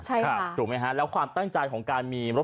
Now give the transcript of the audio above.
ใช่ครับถูกไหมฮะแล้วความตั้งใจของการมีรถ